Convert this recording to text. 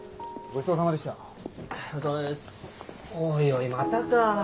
おいおいまたか。